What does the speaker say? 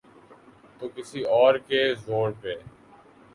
تو کسی اور کے زور پہ۔